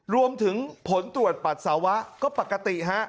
รวมถึงผลตรวจปัสสาวะก็ปกติฮะ